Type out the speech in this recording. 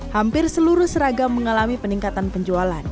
hampir seluruh seragam mengalami peningkatan penjualan